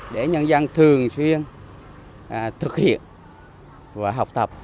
để nhân dân thường xuyên thực hiện và học tập